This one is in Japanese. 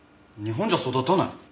日本じゃ育たない。